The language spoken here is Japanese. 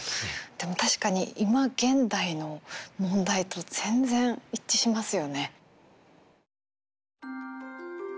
でも確かに今現代の問題と全然一致しますよね。